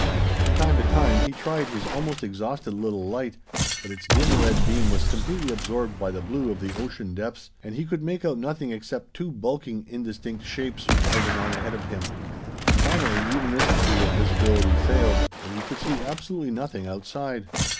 From time to time, he tried his almost exhausted little light, but its dim red beam was completely absorbed by the blue of the ocean depths, and he could make out nothing except two bulking indistinct shapes, writhing on ahead of him. Finally even this degree of visibility failed, and he could see absolutely nothing outside.